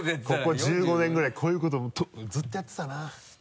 ここ１５年ぐらいこういうことずっとやってたな。